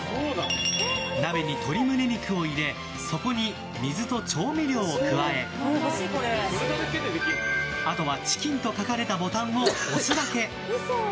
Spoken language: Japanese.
鍋に鶏胸肉を入れそこに水と調味料を加えあとはチキンと書かれたボタンを押すだけ。